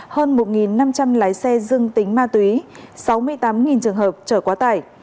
hơn một năm trăm linh lái xe dương tính ma túy sáu mươi tám trường hợp trở quá tải